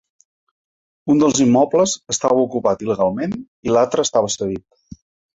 Un dels immobles estava ocupat il·legalment i l’altre estava cedit.